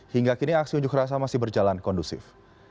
hingga kini aksi unjuk rasa masih berjalan kondusif